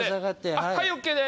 はいＯＫです！